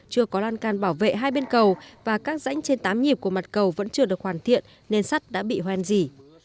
chưa có lan can bảo vệ hai bên cầu và các rãnh trên tám nhịp của mặt cầu vẫn chưa được hoàn thiện nên sắt đã bị hoen dỉ